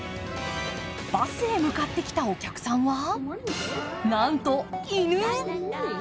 バスへ向かってきたお客さんはなんと犬。